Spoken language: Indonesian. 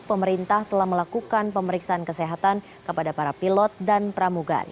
pemerintah telah melakukan pemeriksaan kesehatan kepada para pilot dan pramugari